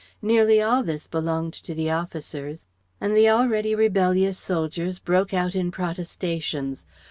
Nearly all this belonged to the officers, and the already rebellious soldiers broke out in protestations.